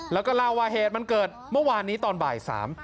แล้วก็เล่าว่าเหตุมันเกิดเมื่อวานนี้ตอนบ่ายสาม